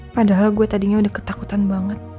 padahal gue tadinya udah ketakutan banget